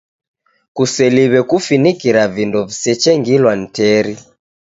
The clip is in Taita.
Kuseliw'e kufinikira vindo visechengilwa ni teri.